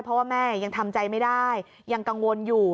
เพราะว่าแม่ยังทำใจไม่ได้ยังกังวลอยู่